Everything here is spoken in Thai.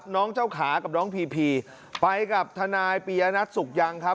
น้องเจ้าขากับน้องพีพีไปกับทนายปียนัทสุกยังครับ